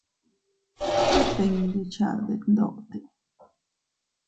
Tet dindi cha detndote.